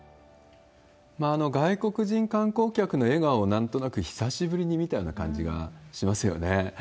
外国人観光客の笑顔をなんとなく久しぶりに見たような感じがしますよね。